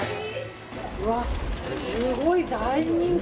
うわ、すごい、大人気。